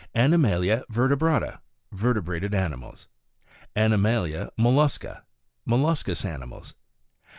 Animalia vertebrata vertebrated animals. 2nd. Animalia mollusca molluscous animals.